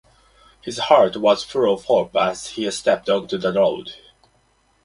His heart was full of hope as he stepped onto the road.